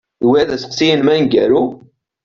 D wa i d asteqsi-inem aneggaru?